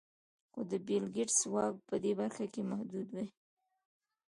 خو د بېل ګېټس واک په دې برخه کې محدود دی.